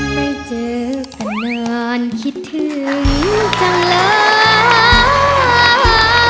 ไม่เจอกันนานคิดถึงจังเลย